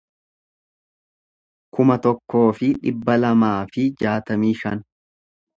kuma tokkoo fi dhibba lamaa fi jaatamii shan